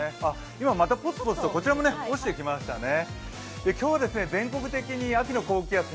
今またぽつぽつと、こちらも落ちてきましたね。